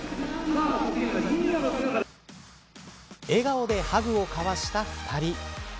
笑顔でハグを交わした２人。